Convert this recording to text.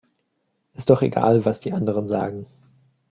Ist doch egal, was die anderen sagen.